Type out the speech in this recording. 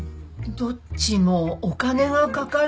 どっちもお金がかかるんでしょ？